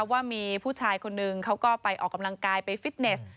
ว่ามีผู้ชายคนนึงเขาก็ไปออกกำลังกายไปฟิตเนส